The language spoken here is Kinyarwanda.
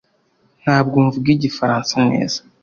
ntabwo mvuga igifaransa neza